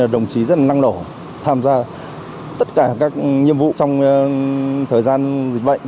đồng chí rất là năng nổ tham gia tất cả các nhiệm vụ trong thời gian dịch bệnh